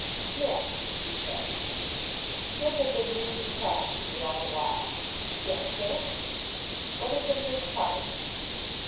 "Smith!" he said. Psmith had been reading placidly all the while. "Yes, sir?" "What is in this cupboard?"